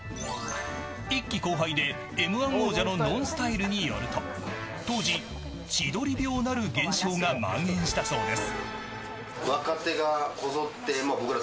１期後輩Ｍー１王者のＮＯＮＳＴＹＬＥによると当時、千鳥病なる病気がまん延したそうです。